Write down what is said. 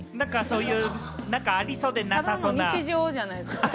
ありそうで、なさそうな。